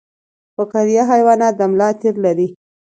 فقاریه حیوانات د ملا تیر لري